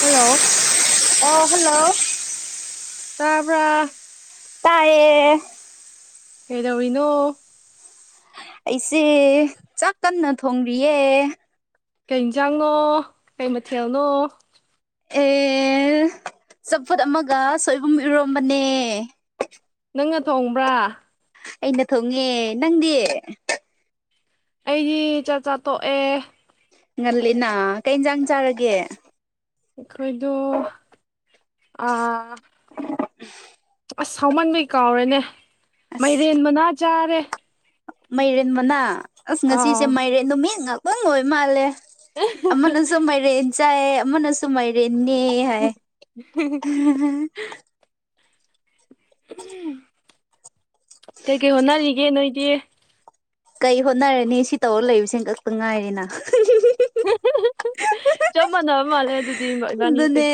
hello ꯑꯣ hello ꯇꯥꯄꯥ ꯇꯌꯦ ꯀꯩꯗꯧꯔꯤꯅꯣ ꯑꯩꯁꯦ ꯆꯥꯛ ꯇꯟꯅ ꯊꯣꯡꯔꯤꯌꯦ ꯀꯩ ꯌꯦꯟꯁꯥꯡꯅꯣ ꯀꯩ ꯃꯊꯦꯜꯅꯣ ꯑꯦ ꯆꯝꯐꯨꯠ ꯑꯃꯒ ꯁꯣꯏꯕꯨꯝ ꯏꯔꯣꯝꯕꯅꯦ ꯅꯪꯅ ꯊꯣꯡꯕ꯭ꯔꯥ ꯑꯩꯅ ꯊꯣꯡꯉꯦ ꯅꯪꯗꯤ ꯑꯩꯗꯤ ꯆꯥ ꯆꯥ ꯇꯣꯛꯑꯦ ꯉꯜꯂꯤꯅ ꯀꯩ ꯌꯦꯟꯖꯥꯡ ꯆꯥꯔꯒꯦ ꯑꯩꯈꯣꯏꯗꫭ ꯑꯥ ꯑꯁ ꯁꯥꯎꯃꯟꯕꯩ ꯀꯥꯎꯔꯦꯅꯦ ꯑꯁ ꯃꯥꯏꯔꯦꯟ ꯃꯅꯥ ꯆꯥꯔꯦ ꯃꯥꯏꯔꯦꯟ ꯃꯅꯥ ꯑꯁ ꯑꯥꯎ ꯉꯁꯤꯁꯦ ꯃꯥꯏꯔꯦꯟ ꯅꯨꯃꯤꯠ ꯉꯥꯛꯇꯪ ꯂꯣꯏ ꯃꯥꯜꯂꯦ ꯑꯃꯅꯁꯨ ꯃꯥꯏꯔꯦꯟ ꯆꯥꯏ ꯑꯃꯅꯁꯨ ꯃꯥꯏꯔꯦꯟꯅꯤ [unintelligible] ꯀꯩ ꯀꯩ ꯍꯣꯠꯅꯔꯤꯒꯦ ꯅꯣꯏꯗꯤ ꯀꯩ ꯍꯣꯠꯅꯔꯅꯤ ꯁꯤ ꯇꯧꯔ ꯂꯩꯕꯁꯤꯅ ꯈꯛꯇ ꯉꯥꯏꯔꯦꯅ ꯆꯞ ꯃꯥꯟꯅꯕ ꯃꯥꯜꯂꯦ ꯑꯗꯨꯗꯤ ꯏꯕ- ꯏꯕꯥꯅꯤꯁꯦ ꯑꯗꯨꯅꯦ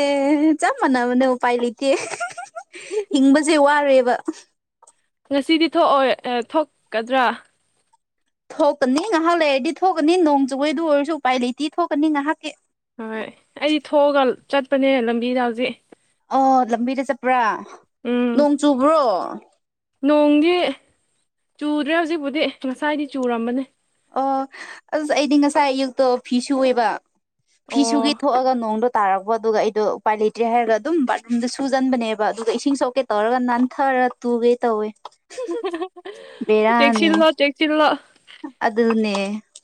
ꯆꯞ ꯃꯥꯟꯅꯕꯅ ꯎꯄꯥꯏ ꯂꯩꯇꯦ ꯍꯤꯡꯕꯁꯦ ꯋꯥꯔꯦꯕ ꯉꯁꯤꯗꯤ ꯊꯣꯛꯑꯣꯏ ꯊꯣꯛꯀꯗ꯭ꯔꯥ ꯊꯣꯛꯀꯅꯤ ꯉꯥꯏꯍꯥꯛ ꯂꯩꯔꯗꯤ ꯊꯣꯛꯀꯅꯤ ꯅꯣꯡ ꯆꯨꯕꯒꯤ ꯑꯗꯨ ꯑꯣꯏꯔꯁꯨ ꯎꯄꯥꯏ ꯂꯩꯇꯦ ꯊꯣꯛꯀꯅꯤ ꯉꯥꯏꯍꯥꯛꯀꯤ ꯍꯣꯏ ꯑꯩꯗꯤ ꯊꯣꯛꯑꯒ ꯆꯠꯄꯅꯦ ꯂꯝꯕꯤꯗ ꯍꯧꯖꯤꯛ ꯑꯣ ꯂꯝꯕꯤꯗ ꯆꯠꯄ꯭ꯔꯥ ꯎꯝ ꯅꯣꯡ ꯆꯨꯕ꯭ꯔꯣ ꯅꯣꯡꯗꯤ ꯆꯨꯗ꯭ꯔꯦ ꯍꯧꯖꯤꯛꯄꯨꯗꯤ ꯉꯁꯥꯏꯗꯤ ꯆꯨꯔꯝꯕꯅꯦ ꯑꯣ ꯑꯁ ꯑꯩꯗꯤ ꯉꯁꯥꯏ ꯑꯌꯨꯛꯇꯣ ꯐꯤ ꯁꯨꯑꯦꯕ ꯑꯣ ꯐꯤꯁꯨꯒꯤ ꯊꯣꯛꯑꯒ ꯅꯣꯡꯗ ꯇꯥꯔꯛꯄ ꯑꯗꯨꯒ ꯑꯩꯗꯣ ꯎꯄꯥꯏ ꯂꯩꯇ꯭ꯔꯦ ꯍꯥꯏꯔꯒ ꯑꯗꯨꯝ ꯕꯥꯠꯔꯨꯝꯗ ꯁꯨꯖꯟꯕꯅꯦꯕ ꯑꯗꯨꯒ ꯏꯁꯤꯡ ꯁꯣꯛꯀꯦ ꯇꯧꯔꯒ ꯅꯥꯟꯊꯔ ꯇꯨꯒꯦ ꯇꯧꯋꯦ ꯇꯦꯛꯁꯤꯜꯂꯣ ꯇꯦꯛꯁꯤꯜꯂꯣ ꯑꯗꯨꯗꯅꯦ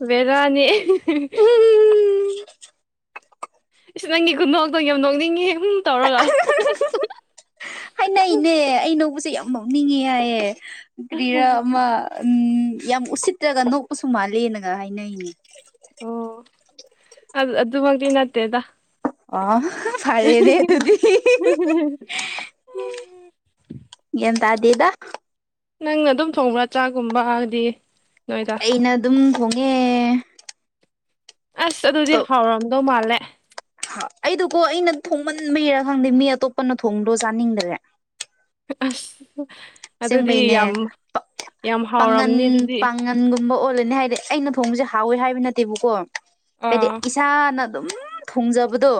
ꯕꯤꯔꯥꯅꯤ ꯏꯁ ꯅꯪꯒꯤ ꯈꯨꯗꯣꯛꯇꯣ ꯌꯥꯝ ꯅꯣꯛꯅꯤꯡꯉꯦ ꯍꯝ ꯍꯝ ꯇꯧꯔꯒ ꯍꯥꯏꯅꯩꯅꯦ ꯑꯩꯅꯧꯕꯁꯦ ꯌꯥꯝ ꯅꯛꯅꯤꯡꯉꯦ ꯍꯥꯏꯌꯦ ꯀꯔꯤꯔ ꯑꯃ ꯎ ꯌꯥꯝ ꯎꯁꯤꯠꯇ꯭ꯔꯒ ꯅꯣꯛꯄꯁꯨ ꯃꯥꯜꯂꯦꯅꯒ ꯍꯥꯏꯅꯩꯅꯦ ꯑꯣ ꯑꯗꯨꯃꯛꯇꯤ ꯅꯠꯇꯦꯗ ꯑ ꯐꯔꯦꯅꯦꯦ ꯑꯗꯨꯗꯤ ꯌꯥꯟ ꯇꯗꯦꯗ ꯅꯪꯅ ꯑꯗꯨꯝ ꯊꯣꯡꯕ꯭ꯔꯥ ꯆꯥꯛꯒꯨꯝꯕ ꯍꯥꯏꯗꯤ ꯑꯩꯅ ꯑꯗꯨꯝ ꯍꯣꯡꯉꯦ ꯑꯁ ꯑꯗꯨꯗꯤ ꯍꯥꯎꯔꯝꯗꯧ ꯃꯥꯜꯂꯦ ꯑꯩꯗꯨꯀꯣ ꯑꯩꯅ ꯊꯣꯡꯃꯟꯕꯩꯔꯥ ꯈꯪꯗꯦ ꯃꯤ ꯑꯇꯣꯞꯄꯅ ꯊꯣꯡꯗꯣ ꯆꯥꯅꯤꯡꯗ꯭ꯔꯦ ꯑꯁ ꯑꯗꯨꯗꯤ ꯑꯁꯦꯡꯕꯩꯅꯦ ꯌꯥꯝ ꯌꯥꯝ ꯍꯥꯎꯔꯝꯅꯤ ꯑꯗꯨꯗꯤ ꯒꯨꯝꯕ ꯑꯣꯜꯂꯅꯤ ꯍꯥꯏꯗꯤ ꯑꯩꯅ ꯊꯣꯡꯕꯁꯦ ꯍꯥꯎꯋꯦ ꯍꯥꯏꯕ ꯅꯠꯇꯦꯕꯀꯣ ꯍꯥꯏꯗꯤ ꯑꯥ ꯏꯁꯥꯅ ꯑꯗꯨꯝ ꯊꯣꯡꯖꯕꯗꯣ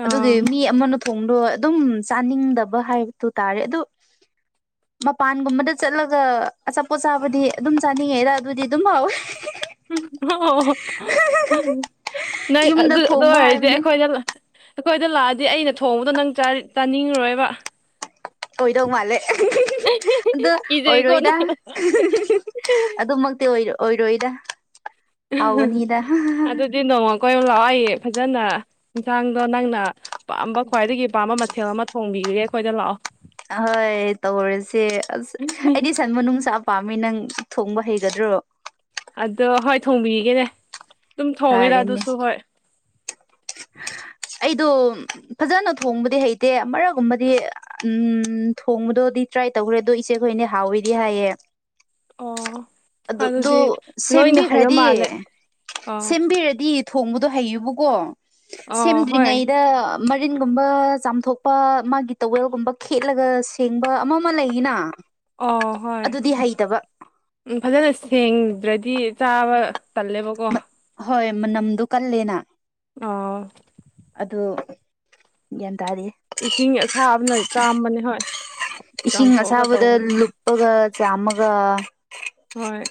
ꯑꯥ ꯑꯗꯨꯒꯤ ꯃꯤ ꯑꯃꯅ ꯊꯣꯡꯗꯣ ꯑꯗꯨꯝ ꯆꯥꯅꯤꯡꯗꯕ ꯍꯥꯏꯕꯗꯨ ꯇꯥꯔꯦ ꯑꯗꯨ ꯃꯄꯥꯟꯒꯨꯝꯕꯗ ꯆꯠꯂꯒ ꯑꯆꯥꯄꯣꯠ ꯆꯥꯕꯨꯗꯤ ꯑꯗꯨꯝ ꯆꯥꯅꯤꯡꯉꯦꯗ ꯑꯗꯨꯗꯤ ꯑꯗꯨꯝ ꯍꯥꯎꯋꯦ ꯎ ꯑꯣ ꯅꯪ ꯌꯨꯝꯗ ꯑꯗꯨ ꯑꯗꯨ ꯊꯣꯡꯕ ꯑꯣꯏꯔꯗꯤ ꯍꯥꯏꯕꯅꯦ ꯑꯩꯈꯣꯏꯅ ꯑꯩꯈꯣꯏꯗ ꯂꯥꯛꯑꯗꯤ ꯑꯩꯅ ꯊꯣꯡꯕꯗꯣ ꯅꯪ ꯆꯥꯅꯤꯡꯉꯨꯔꯣꯏꯕ ꯑꯣꯏꯗꯧ ꯃꯥꯜꯂꯦ ꯑꯗꯣ ꯏꯖꯩꯀꯣ ꯑꯣꯏꯔꯣꯏꯗ ꯅꯪ ꯑꯗꯨꯃꯛꯇꯤ ꯑꯣꯏ ꯑꯣꯏꯔꯣꯏꯗ ꯍꯥꯎꯕꯅꯤꯗ ꯑꯗꯨꯗꯤ ꯅꯣꯡꯃ ꯀꯣꯏ ꯂꯥꯛꯂꯣ ꯑꯩ ꯐꯖꯅ ꯌꯦꯟꯁꯥꯡꯗꯣ ꯅꯪꯅ ꯄꯥꯝꯕ ꯈ꯭ꯋꯥꯏꯗꯒꯤ ꯄꯥꯝꯕ ꯃꯊꯦꯜ ꯑꯃ ꯊꯣꯡꯕꯤꯔꯒꯦ ꯑꯩꯈꯣꯏꯗ ꯂꯥꯛꯑꯣ ꯑꯍꯣꯏ ꯇꯧꯔꯁꯦ ꯑꯁ ꯑꯩꯗꯤ ꯁꯟ ꯃꯅꯨꯡꯅꯨꯡꯁꯥ ꯄꯥꯝꯃꯤ ꯅꯪ ꯊꯣꯡꯕ ꯍꯩꯒꯗ꯭ꯔꯣ ꯑꯗꯣ ꯍꯣꯏ ꯊꯣꯡꯕꯤꯔꯤꯒꯦꯅꯦ ꯐꯔꯅꯦ [unintelligible] ꯑꯩꯗꯣ ꯐꯖꯅ ꯊꯣꯡꯕꯗꯤ ꯍꯩꯇꯦ ꯑꯃꯛꯒꯨꯝꯕꯗꯤ ꯎꯝ ꯊꯣꯡꯕꯗꯣꯗꯤ ꯇ꯭ꯔꯥꯏ ꯇꯧꯈ꯭ꯔꯦ ꯑꯗꯣ ꯏꯆꯦꯈꯣꯏꯅꯦ ꯍꯥꯎꯋꯤꯗꯤ ꯍꯥꯏꯌꯦ ꯑꯣ ꯑꯗꯨ ꯑꯗꯨ ꯑꯗꯨꯗꯤ ꯂꯣꯏꯅ ꯍꯩꯕ ꯁꯦꯝꯕꯤꯈ꯭ꯔꯗꯤ ꯃꯥꯜꯂꯦ ꯑꯣ ꯁꯦꯝꯕꯤꯔꯗꯤ ꯊꯣꯡꯕꯗꯣ ꯍꯩꯌꯨꯕꯀꯣ ꯑꯣ ꯍꯣꯏ ꯁꯦꯝꯗ꯭ꯔꯤꯉꯩꯗ ꯃꯔꯤꯟꯒꯨꯝꯕ ꯆꯥꯝꯊꯣꯛꯄ ꯃꯥꯒꯤ ꯇꯧꯋꯦꯜꯒꯨꯝꯕ ꯈꯦꯠꯂꯒ ꯁꯦꯡꯕ ꯑꯃ ꯑꯃ ꯂꯩꯌꯦꯅ ꯑꯣ ꯍꯣꯏ ꯑꯗꯨꯗꯤ ꯍꯩꯇꯕ ꯎ ꯐꯖꯅ ꯁꯦꯡꯗ꯭ꯔꯗꯤ ꯆꯥꯕ ꯇꯜꯂꯦꯕꯀꯣ ꯍꯣꯏ ꯃꯅꯝꯗꯣ ꯀꯜꯂꯦꯅ ꯑ ꯑꯗꯨ ꯒ꯭ꯌꯥꯟ ꯇꯥꯔꯤ ꯏꯁꯤꯡ ꯑꯁꯥꯕꯅ ꯆꯥꯝꯕꯅꯦ ꯍꯣꯏ ꯏꯁꯤꯡ ꯆꯥꯝꯊꯣꯛꯑꯒ ꯑꯁꯥꯕꯗ ꯇꯧꯕꯅꯦ ꯂꯨꯞꯄꯒ ꯆꯥꯝꯃꯒ ꯍꯣꯏ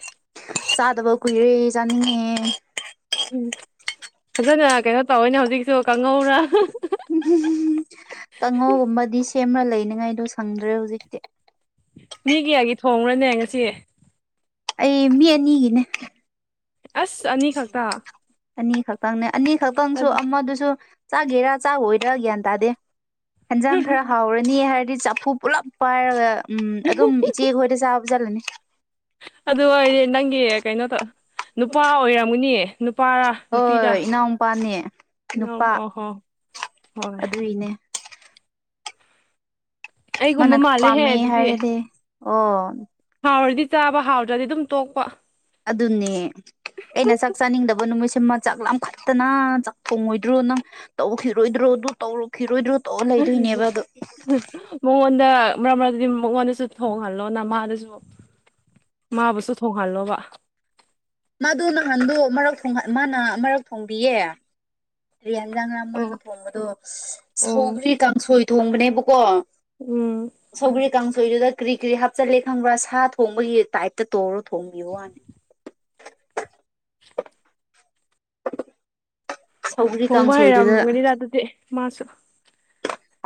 ꯆꯥꯗꯕ ꯀꯨꯏꯔꯦ ꯆꯥꯅꯤꯡꯉꯦ ꯎꯝ ꯐꯖꯅ ꯀꯩꯅꯣ ꯇꯧꯋꯅꯦ ꯍꯧꯖꯤꯛꯁꯨ ꯀꯥꯡꯉꯧꯔ ꯀꯥꯡꯉꯧꯒꯨꯝꯕꯗꯤ ꯁꯦꯝꯅ ꯂꯩꯅꯤꯉꯥꯏꯗꯣ ꯁꯪꯗ꯭ꯔꯦ ꯍꯧꯖꯤꯛꯇꯤ ꯃꯤ ꯀꯌꯥꯒꯤ ꯊꯣꯡꯉꯔꯅꯦ ꯉꯁꯤ ꯑꯩ ꯃꯤ ꯑꯅꯤꯒꯤꯅꯦ ꯑꯁ ꯑꯅꯤꯈꯛꯇ ꯑꯅꯤ ꯈꯛꯇꯪꯅꯦ ꯑꯅꯤ ꯈꯛꯇꯪꯁꯨ ꯑꯃꯗꯨꯁꯨ ꯆꯥꯒꯦꯔꯥ ꯆꯥꯣꯏꯗꯔꯥ ꯒ꯭ꯌꯥꯟ ꯇꯥꯗꯦ ꯍꯟꯖꯥꯡ ꯈꯔ ꯍꯥꯎꯔꯅꯤ ꯍꯥꯏꯔꯗꯤ ꯆꯐꯨ ꯄꯨꯜꯂꯞ ꯄꯥꯏꯔꯒ ꯎꯝ ꯑꯗꯨꯝ ꯏꯆꯦ ꯈꯣꯏꯗ ꯆꯥꯕ ꯆꯠꯂꯅꯤ ꯑꯗꯨ ꯑꯣꯏꯗꯤ ꯅꯪꯒꯤ ꯀꯩꯅꯣ ꯇ ꯅꯨꯄꯥ ꯑꯣꯏꯔꯝꯒꯅꯤ ꯅꯨꯄꯥꯔꯥ ꯅꯨꯄꯤꯔ ꯍꯣꯏ ꯏꯅꯥꯎꯄꯥꯅꯦ ꯅꯨꯄꯥ ꯑ ꯍꯣ ꯍꯥꯏ ꯑꯗꯨꯒꯤꯅꯦ ꯃꯥꯅ ꯑꯩꯒꯨꯝꯕ ꯃꯥꯜꯂꯦꯍꯦ ꯄꯥꯝꯃꯦ ꯑꯗꯨꯗꯤ ꯍꯥꯏꯔꯗꯤ ꯑꯣ ꯍꯥꯎꯔꯗꯤ ꯆꯥꯕ ꯍꯥꯎꯗ꯭ꯔꯗꯤ ꯑꯗꯨꯝ ꯇꯣꯛꯄ ꯑꯗꯨꯅꯦ ꯑꯩꯅ ꯆꯥꯛ ꯆꯥꯅꯤꯡꯗꯕ ꯅꯨꯃꯤꯠꯁꯤꯃ ꯆꯥꯛ ꯂꯥꯝꯈꯠꯇꯅ ꯆꯥꯛ ꯊꯣꯡꯉꯣꯏꯗ꯭ꯔꯣ ꯅꯪ ꯇꯧꯈꯤꯔꯣꯏꯗ꯭ꯔꯣ ꯑꯗꯨ ꯇꯧꯔꯛꯈꯤꯔꯣꯏꯗ꯭ꯔꯣ ꯇꯧꯔ ꯂꯩꯗꯣꯏꯅꯦꯕ ꯑꯗꯣ ꯃꯉꯣꯟꯗ ꯃꯔꯛ ꯃꯔꯗꯗꯤ ꯃꯉꯣꯟꯗꯁꯨ ꯊꯣꯡꯍꯜꯂꯣ ꯅꯃꯥꯗꯁꯨ ꯃꯥꯕꯨꯁꯨ ꯊꯣꯡꯍꯜꯂꯣꯕ ꯃꯥꯗꯨ ꯅꯍꯥꯟꯗꯣ ꯃꯔꯛ ꯃꯥꯅ ꯃꯔꯛ ꯊꯣꯡꯕꯤꯌꯦ ꯍꯟꯖꯥꯡ ꯔ ꯑꯣ ꯃꯥꯅ ꯊꯣꯡꯕꯗꯣ ꯑꯣ ꯁꯧꯒ꯭ꯔꯤ ꯀꯥꯡꯁꯣꯏ ꯊꯣꯡꯕꯅꯦꯕꯀꯣ ꯎꯝ ꯁꯧꯒ꯭ꯔꯤ ꯀꯥꯡꯁꯣꯏꯗꯨꯗ ꯀꯔꯤ ꯀꯔꯤ ꯍꯥꯞꯆꯤꯜꯂꯦ ꯈꯪꯕ꯭ꯔꯥ ꯁꯥ ꯊꯣꯡꯕꯒꯤ ꯇꯥꯏꯞꯇ ꯇꯧꯔꯣ ꯊꯣꯡꯕꯤꯌꯨ ꯋꯥꯅꯤ [inaudible] ꯊꯣꯡꯕ ꯀꯥꯡꯁꯣꯏꯗꯨꯗ ꯍꯩꯔꯝꯒꯅꯤꯗ ꯑꯗꯨꯗꯤ ꯃꯥꯁꯨ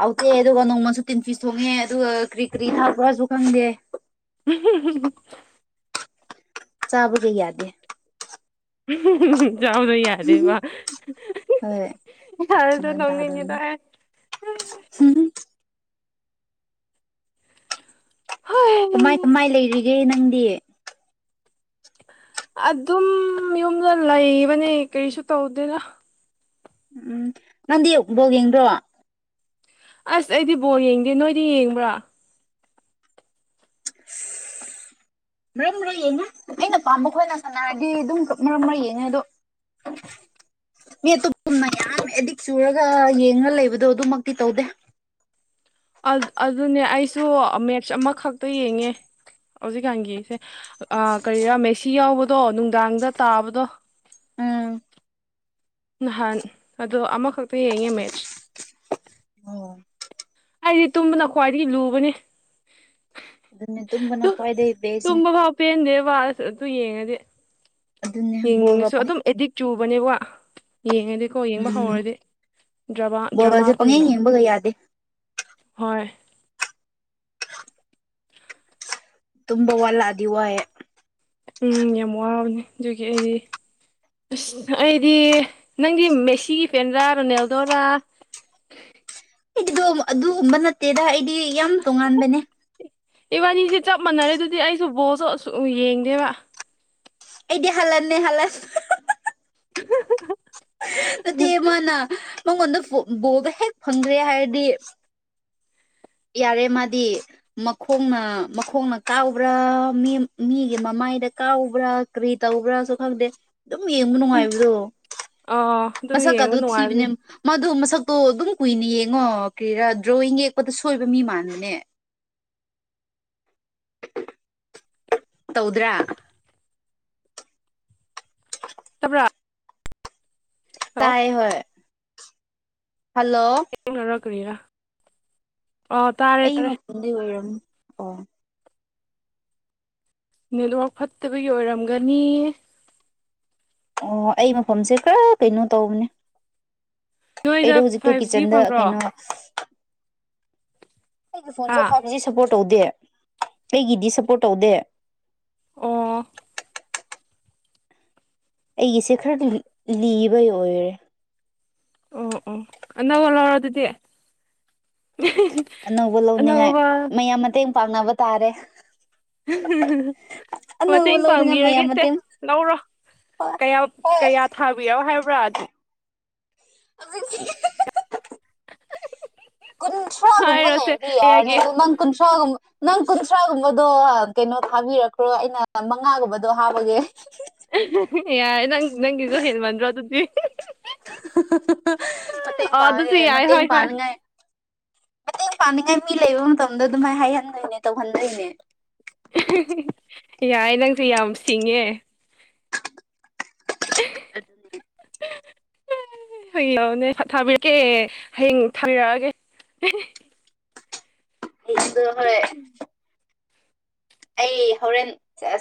ꯍꯥꯎꯗꯦ ꯑꯗꯨꯒ ꯅꯣꯡꯃꯁꯨ ꯇꯤꯟ ꯐꯤꯤꯁ ꯁꯣꯡꯉꯦ ꯑꯗꯨꯒ ꯀꯔꯤ ꯀꯔꯤ ꯊꯥꯎꯕ꯭ꯔꯥꯁꯨ ꯈꯪꯗꯦ [unintelligible] ꯆꯥꯕꯗꯤ ꯌꯥꯗꯦ ꯎ ꯌꯥꯎꯗ ꯌꯥꯗꯦ ꯋꯥ ꯍꯣꯏ ꯍꯔꯁꯨ ꯒ꯭ꯌꯥꯟ ꯊꯧꯅꯤꯅꯤꯗ ꯇꯥꯗꯝꯅꯤ ꯍꯣꯏ ꯀꯃꯥꯏ ꯀꯃꯥꯏ ꯂꯩꯔꯤꯒꯦ ꯅꯪꯗꯤ ꯑꯗꯨꯝ ꯌꯨꯝꯗ ꯂꯩꯕꯅꯦ ꯀꯔꯤꯁꯨ ꯇꯧꯗꯦꯗ ꯎꯝ ꯅꯗꯤ ꯕꯣꯜ ꯌꯦꯡꯗꯔꯣ ꯑꯁ ꯑꯩꯗꯤ ꯕꯣꯔ ꯌꯦꯡꯒꯦ ꯅꯣꯏꯗꯤ ꯌꯦꯡꯕ꯭ꯔꯥ ꯃꯔꯛ ꯃꯔꯛ ꯌꯦꯡꯉꯣ ꯑꯩꯅ ꯄꯥꯝꯕꯈꯣꯏꯅ ꯁꯥꯟꯅꯔꯗꯤ ꯑꯗꯨꯝ ꯃꯔꯛ ꯃꯔꯛ ꯌꯦꯡꯉꯦ ꯑꯗꯣ ꯃꯤ ꯑꯣꯨꯝꯅ ꯌꯥꯝ ꯑꯦꯗꯤꯛ ꯆꯨꯔꯒ ꯌꯦꯡꯉ ꯂꯩꯕꯗꯣ ꯑꯗꯨꯃꯛꯇꯤ ꯇꯧꯗꯦ ꯑꯗꯨꯅꯦ ꯑꯩꯁꯨ ꯃꯦꯠꯁ ꯑꯃꯈꯛꯇ ꯌꯦꯡꯉꯦ ꯍꯧꯖꯤꯛꯀꯥꯟꯒꯤꯁꯦ ꯀꯔꯤꯔꯥ ꯃꯦꯁꯤ ꯌꯥꯎꯕꯗꯣ ꯅꯨꯡꯗꯥꯡꯗ ꯇꯥꯕꯗꯣ ꯎꯝ ꯅꯍꯥꯟ ꯑꯗꯣ ꯑꯃꯈꯛꯇ ꯌꯦꯡꯉꯦ ꯃꯦꯠꯆ ꯑꯣ ꯑꯩꯗꯤ ꯇꯨꯝꯕꯅ ꯈ꯭ꯋꯥꯏꯗꯒꯤ ꯂꯨꯕꯅꯤ ꯇꯨꯝꯕꯅ ꯈ꯭ꯋꯥꯏꯗꯒꯤ ꯕꯦꯁꯅꯦ ꯄꯦꯟꯗꯦ ꯋꯥꯁ ꯑꯗꯨ ꯌꯦꯡꯉꯗꯤ ꯑꯗꯨꯅꯦ ꯕꯣꯜꯒ ꯌꯦꯡꯅꯤꯡꯉꯁꯨ ꯄꯪ ꯑꯗꯨꯝ ꯑꯦꯗꯤꯛ ꯆꯨꯕꯅꯦꯕ ꯌꯦꯡꯉꯗꯤ ꯀꯣ ꯌꯦꯡꯕ ꯎꯝ ꯍꯧꯔꯗꯤ ꯗ꯭ꯔ ꯕꯣꯜꯒꯁꯦ ꯗ꯭ꯔꯃꯥꯒꯨꯝꯅ ꯄꯪꯌꯦꯡ ꯌꯦꯡꯕꯒ ꯌꯥꯗꯦ ꯍꯣꯏ ꯇꯨꯝꯕ ꯋꯥꯂꯗꯤ ꯋꯥꯏꯋꯦ ꯎꯝ ꯌꯥꯝ ꯋꯥꯕꯅꯦ ꯍꯧꯖꯤꯒꯤ ꯑꯩꯒꯤ ꯑꯁ ꯑꯩꯗꯤ ꯅꯪꯗꯤ ꯃꯦꯁꯤꯒꯤ ꯐꯦꯟꯔꯥ ꯔꯣꯅꯦꯜꯗꯣꯔꯥ ꯑꯩꯒꯤꯗꯣ ꯑꯗꯨꯒꯨꯝꯕ ꯅꯠꯇꯦꯗ ꯑꯩꯗꯤ ꯌꯥꯝ ꯇꯣꯉꯥꯟꯕꯅꯦ ꯏꯕꯥꯅꯤꯁꯦ ꯆꯞ ꯃꯥꯟꯅꯔꯦ ꯑꯗꯨꯗꯤ ꯑꯩꯁꯨ ꯕꯣꯁꯨ ꯌꯦꯡꯗꯦꯕ ꯑꯦꯗꯤ ꯍꯜꯥꯟꯅꯦ ꯍꯂꯠ [unintelligible] ꯅꯠꯇꯦ ꯃꯥꯅ ꯃꯉꯣꯟꯗ ꯕꯣꯜ-ꯕꯣꯜꯗꯣ ꯍꯦꯛ ꯐꯪꯗ꯭ꯔꯦ ꯍꯥꯏꯔꯗꯤ ꯌꯥꯔꯦ ꯃꯥꯗꯤ ꯃꯈꯣꯡꯅ ꯃꯈꯣꯡꯅ ꯀꯥꯎꯕ꯭ꯔꯥ ꯃꯤ ꯃꯤꯒꯤ ꯃꯃꯥꯏꯗ ꯀꯥꯎꯕ꯭ꯔꯥ ꯀꯔꯤ ꯇꯕꯨꯕ꯭ꯔꯥꯁꯨ ꯈꯪꯗꯦ ꯑꯗꯨꯝ ꯌꯦꯡꯕ ꯎꯝ ꯅꯨꯡꯉꯥꯏꯕꯗꯣ ꯑꯥ ꯑꯗꯨꯝ ꯃꯁꯛ ꯌꯦꯡꯕ ꯀꯥꯗꯨ ꯅꯨꯡꯉꯥꯏꯕꯅꯦ ꯊꯤꯕꯥꯅꯦꯕ ꯃꯥꯗꯣ ꯃꯁꯛꯇꯣ ꯑꯗꯨꯝ ꯀꯨꯏꯅ ꯌꯦꯡꯉꯣ ꯀꯔꯥ ꯗ꯭ꯔꯣꯣꯌꯋꯤꯡ ꯌꯦꯛꯄꯗ ꯁꯣꯏꯕ ꯃꯤ ꯃꯥꯟꯕꯅꯦ ꯇꯧꯗ꯭ꯔꯥ ꯇꯥꯞ ꯇꯥꯏ ꯍ ꯍꯜꯂꯣ ꯔ ꯀ꯭ꯔꯦꯌꯥ ꯑꯣ ꯇꯥꯔꯦ ꯑꯩ ꯇꯥꯔꯦ ꯃꯄꯨꯟꯗꯩ ꯑꯣꯏꯔꯝꯅꯤ ꯑꯣ ꯅꯦꯠꯋꯔꯛ ꯐꯠꯇꯕꯒꯤ ꯑꯣꯏꯔꯝꯒꯅꯤ ꯑꯣ ꯑꯩ ꯃꯐꯝꯁꯦ ꯈꯔ ꯀꯩꯅꯣ ꯇꯧꯕꯅꯦ ꯅꯣꯏꯗ ꯑꯩꯗꯣ ꯍꯧꯖꯤꯛꯇꯣ ꯐꯥꯏꯚ ꯖꯤ ꯀꯤꯠꯆꯟꯗ ꯐꯪꯕ꯭ꯔꯣ ꯀꯩꯅꯣ ꯑꯩꯒꯤ ꯍꯥ ꯐꯣꯟꯁꯦ ꯐꯥꯏꯚ ꯖꯤ ꯁꯞꯄꯣꯔꯠ ꯇꯧꯗꯦ ꯀꯩꯒꯤꯗꯤ ꯁꯞꯄꯣꯔꯠ ꯇꯧꯗꯦ ꯑꯣ ꯑꯩꯒꯤꯁꯦ ꯈꯔ ꯂꯤꯕꯩ ꯑꯣꯏꯔꯦ ꯑꯣ ꯑꯣ ꯑꯅꯧꯕ ꯂꯧꯔꯣ ꯑꯗꯨꯗꯤ ꯑꯅꯧꯕ ꯂꯧꯅꯤꯡꯉꯥꯏ ꯑꯅꯧꯕ ꯃꯌꯥꯝ ꯃꯇꯦꯡ ꯄꯥꯡꯅꯕ ꯇꯥꯔꯦ ꯑꯅꯧꯕ ꯃꯇꯦꯡ ꯂꯧꯅꯤꯡꯉꯥꯏ ꯃꯌꯥꯝ ꯄꯥꯡꯕꯤꯔꯒꯦ ꯁꯦ ꯃꯇꯦꯡ ꯂꯧꯔꯣ ꯀꯌꯥ ꯀꯌꯥ ꯊꯥꯕꯤꯔꯣ ꯍꯥꯏꯕ꯭ꯔꯥ ꯑꯗꯨ ꯀꯨꯟꯊ꯭ꯔꯥꯒꯨꯝꯕ ꯍꯥꯏꯔꯣꯁꯦ ꯂꯩꯔꯗꯤ ꯌꯥꯔꯅꯤ ꯀꯌꯥꯒꯤ ꯑꯗꯨ ꯅꯪ ꯀꯨꯟꯊ꯭ꯔꯥꯒꯨꯝꯕ ꯅꯪ ꯀꯨꯟꯊ꯭ꯔꯥꯒꯨꯝꯕꯗꯣ ꯀꯩꯅꯣ ꯊꯥꯕꯤꯔꯛꯈ꯭ꯔꯣ ꯑꯩꯅ ꯃꯉꯥꯒꯨꯝꯕꯗꯣ ꯍꯥꯕꯒꯦ ꯌꯥꯔꯦ ꯅꯪ-ꯅꯪꯒꯤꯗꯨ ꯍꯦꯟꯃꯟꯗ꯭ꯔꯣ ꯑꯗꯨꯗꯤ ꯃꯦ ꯑꯥ ꯄꯥꯒꯦ ꯑꯗꯨꯁꯨ ꯃ ꯌꯥꯏ ꯍꯣꯏ ꯍꯣꯏ ꯄꯥꯥꯟꯒ ꯃꯇ ꯄꯥꯅꯤꯡꯉꯥꯏ ꯃꯤ ꯂꯩꯕ ꯃꯇꯝꯗ ꯑꯗꯨꯝꯥꯏꯅ ꯍꯥꯏꯍꯟꯗꯣꯏꯅꯦ ꯇꯧꯍꯟꯗꯣꯏꯅꯦ ꯌꯥꯏ ꯅꯪꯁꯦ ꯌꯥꯝ ꯁꯤꯡꯉꯦ ꯑꯗꯨ [unintelligible] ꯊꯥꯕꯤꯔꯛꯀꯦ ꯍꯥꯌꯦꯡ ꯊꯥꯕꯤꯔꯛꯑꯒꯦ ꯍꯗꯨ ꯍꯣꯏ [unintelligible] ꯑꯩ ꯍꯣꯔꯦꯟꯁ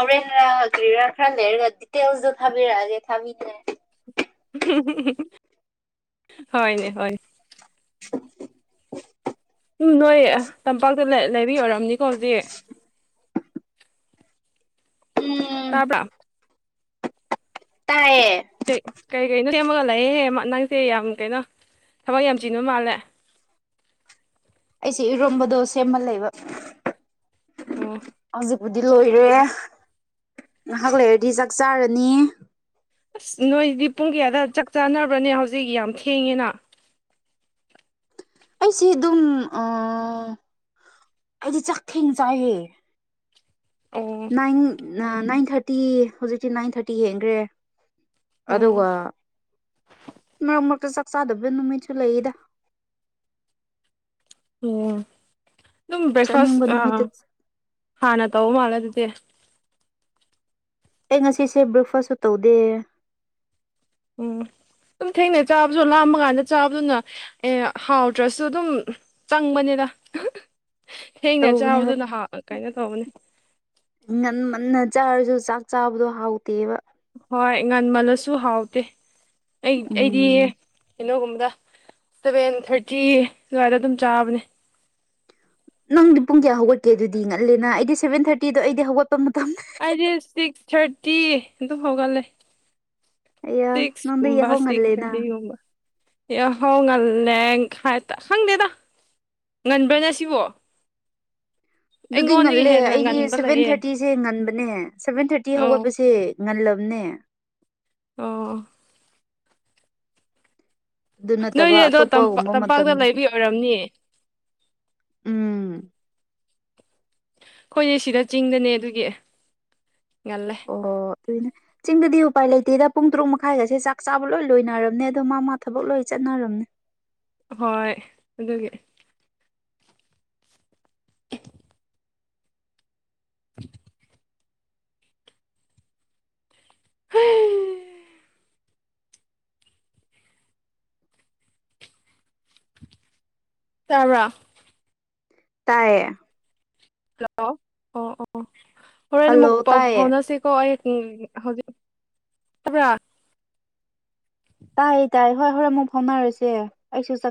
ꯍꯧꯔꯦꯟꯔꯥ ꯀ꯭ꯔꯤꯔꯥ ꯈꯔ ꯂꯩꯔꯒ ꯗꯤꯇꯦꯜꯁꯗꯨ ꯊꯥꯕꯤꯔꯛꯑꯒꯦ ꯊꯥꯕꯤꯗꯦ ꯍꯣꯏꯅꯦ-ꯍꯣꯏꯅꯦ [inaudible] ꯎꯝ ꯅꯣꯏ ꯇꯝꯄꯥꯛꯇ ꯂꯩꯕꯤ ꯑꯣꯏꯔꯝꯅꯤꯀꯣ ꯍꯧꯖꯤꯛ ꯎꯝ ꯇꯥꯕ꯭ꯔꯥ ꯇꯥꯏꯌꯦ ꯀꯩ-ꯀꯩ-ꯀꯩꯅꯣ ꯁꯦꯝꯃꯒ ꯂꯩꯌꯦ ꯅꯪꯁꯦ ꯌꯥꯝ ꯀꯩꯅꯣ ꯊꯕꯛ ꯌꯥꯝ ꯆꯤꯟꯕ ꯃꯥꯜꯂꯦ ꯑꯩꯁꯦ ꯏꯔꯣꯝꯕꯗꯣ ꯁꯦꯝꯃꯥ ꯂꯩꯕ ꯑꯣ ꯍꯧꯖꯤꯛꯄꯨꯗꯤ ꯂꯣꯏꯔꯦ ꯉꯥꯏꯍꯥꯛ ꯂꯩꯔꯗꯤ ꯆꯥꯛ ꯆꯥꯔꯅꯤ ꯑꯁ ꯅꯣꯏꯗꯤ ꯄꯨꯡ ꯀꯌꯥꯗ ꯆꯥꯛ ꯆꯥꯅꯕ꯭ꯔꯥꯅꯦ ꯍꯧꯖꯤꯛ ꯌꯥꯝ ꯊꯦꯡꯉꯦꯅ ꯑꯩꯁꯦ ꯗꯨꯝ ꯑꯥ ꯑꯩꯗꯤ ꯆꯥꯛꯊꯦꯡꯅ ꯆꯥꯏꯌꯦ ꯑꯣ ꯅꯥꯏꯟ ꯅꯥꯏꯟ ꯊꯥꯔꯇꯤ ꯍꯧꯖꯤꯛꯇꯤ ꯅꯥꯏꯟ ꯊꯥꯔꯇꯤ ꯍꯡꯈ꯭ꯔꯦ ꯑꯣ ꯑꯗꯨꯒ ꯃꯔꯛ ꯃꯔꯛꯇ ꯆꯥꯛ ꯆꯥꯗꯕ ꯅꯨꯃꯤꯠꯁꯨ ꯂꯩꯗ ꯑꯣ ꯑꯗꯨꯝ ꯆꯥꯅꯤꯡꯕ ꯕ꯭ꯔꯦꯛꯐꯥꯁ ꯅꯨꯃꯤꯠꯇ ꯍꯥꯟꯅ ꯇꯧꯕ ꯃꯥꯜꯂꯦ ꯑꯗꯨꯗꯤ ꯉꯥꯁꯤꯁꯦ ꯕ꯭ꯔꯣꯛꯐꯥꯁꯁꯨ ꯇꯧꯗꯦ ꯎꯝ ꯑꯗꯨꯝ ꯊꯦꯡꯅꯩ ꯆꯥꯕꯁꯨ ꯂꯥꯝꯕ ꯀꯥꯟꯗ ꯆꯥꯕꯗꯨꯅ ꯑꯦ ꯍꯥꯎꯗ꯭ꯔꯁꯨ ꯑꯗꯨꯝ ꯆꯪꯕꯅꯤꯅ ꯊꯦꯡꯅ ꯇꯧꯕꯅꯦ ꯍꯣꯏ ꯆꯥꯕꯗꯨꯅ ꯍꯥꯎ ꯀꯩꯅꯣ ꯇꯧꯕꯅꯦ ꯉꯟ ꯃꯟꯅ ꯆꯥꯔꯁꯨ ꯆꯥꯛ ꯆꯥꯕꯗꯣ ꯍꯥꯎꯇꯦꯕ ꯍꯣꯏ ꯉꯟꯃꯜꯂꯁꯨ ꯍꯥꯎꯇꯦ ꯑꯩ ꯑꯩꯗꯤ ꯎꯝ ꯀꯩꯅꯣꯒꯨꯝꯕꯗ ꯁꯚꯦꯟ ꯊꯥꯔꯇꯤ ꯑꯗꯨꯋꯥꯏꯗ ꯑꯗꯨꯝ ꯆꯥꯕꯅꯦ ꯅꯪꯗꯤ ꯄꯨꯡ ꯀꯌꯥ ꯍꯧꯒꯠꯀꯦ ꯑꯗꯨꯗꯤ ꯉꯜꯂꯦꯅ ꯑꯩꯗꯤ ꯁꯚꯦꯟ ꯊꯥꯔꯇꯤꯗꯣ ꯑꯩꯗꯤ ꯍꯧꯒꯠꯄ ꯃꯇꯝ ꯁꯤꯁ ꯊꯥꯔꯇꯤ ꯑꯗꯨ ꯍꯧꯒꯦ ꯑꯌꯥ ꯁꯤꯛꯁ ꯅꯪꯗꯤ ꯀꯨꯝꯕ ꯌꯥꯍꯧ ꯁꯤꯛꯁ ꯉꯜꯂꯦꯅ ꯊꯔꯇꯤꯒꯨꯝꯕ ꯌꯥꯍꯧ ꯉꯜꯂꯦ ꯍꯥꯏ ꯈꯪꯗꯦꯗ ꯉꯟꯕ꯭ꯔꯅ ꯁꯤꯕꯣ ꯑꯗꯨꯗꯤ ꯑꯩꯉꯣꯟꯗꯒꯤ ꯉꯜꯂꯦ ꯍꯦꯟꯅ ꯑꯩꯗꯤ ꯉꯟꯕ ꯁꯚꯦꯟ ꯂꯩꯌꯦ ꯊꯥꯔꯇꯤꯁꯦ ꯉꯟꯕꯅꯦ ꯁꯚꯦꯟ ꯊꯥꯔꯇꯤ ꯑꯣ ꯍꯧꯒꯠꯄꯁꯦ ꯉꯜꯂꯕꯅꯦ ꯑꯥ ꯑꯗꯨ ꯅꯠꯇꯕ ꯅꯣꯏꯗꯤ ꯑꯗꯣ ꯇꯝꯄꯥꯛ ꯑꯇꯣꯞꯄꯒꯨꯝꯕ ꯇꯝꯄꯥꯛꯇ ꯃꯇꯝꯗꯗꯤ ꯂꯩꯕꯤ ꯑꯣꯏꯔꯝꯅꯤ ꯎꯝ ꯑꯩꯈꯣꯏꯅꯦ ꯁꯤꯗ ꯆꯤꯡꯗꯅꯦ ꯑꯗꯨꯒꯤ ꯉꯜꯂꯦ ꯑꯣ ꯑꯗꯨꯅꯦ ꯆꯤꯡꯗꯗꯤ ꯎꯄꯥꯏ ꯂꯩꯇꯦꯗ ꯄꯨꯡ ꯇꯔꯨꯛ ꯃꯈꯥꯏꯒꯁꯦ ꯆꯥꯛ ꯆꯥꯕ ꯂꯣꯏ ꯂꯣꯏꯅꯔꯔꯕꯅꯦ ꯑꯗꯣ ꯃꯥ ꯃꯥ ꯊꯕꯛ ꯂꯣꯏ ꯆꯠꯅꯔꯝꯅꯦ ꯍꯣꯏ ꯑꯗꯨꯒꯤ [inaudible] [inaudible] ꯍ ꯇꯥꯔꯥ ꯇꯥꯏꯌꯦ ꯂꯥꯎꯂꯣ ꯑꯣ-ꯑꯣ ꯍꯣꯔꯦꯟ ꯍꯜꯂꯣ ꯃꯨꯛ ꯄꯥꯎ ꯇꯥꯏꯌꯦ ꯐꯥꯎꯅꯥꯁꯤ ꯀꯣ ꯑꯩ ꯎꯝ ꯍꯧꯖꯤꯛ ꯇꯥꯕ꯭ꯔꯥ ꯇꯥꯏꯌꯦ ꯇꯥꯏ ꯍꯣꯏ ꯍꯣꯔꯦꯟ ꯃꯨꯛ ꯐꯥꯎꯅꯔꯥꯁꯦ ꯑꯩꯁꯨ ꯆꯥꯛ